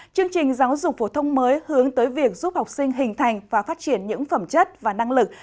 chương trình giáo dục phổ thông mới hướng tới việc giúp học sinh hình thành và phát triển những phẩm chất và năng lực